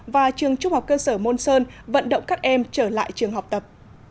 và trường trung học cơ sở môn sơn vận động các em trở lại trường học tập